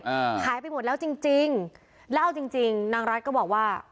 อ่าขายไปหมดแล้วจริงจริงแล้วเอาจริงจริงนางรัฐก็บอกว่า